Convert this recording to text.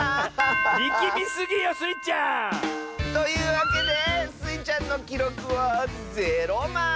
いきみすぎよスイちゃん！というわけでスイちゃんのきろくは０まい！